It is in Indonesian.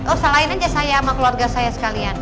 oh salahin aja saya sama keluarga saya sekalian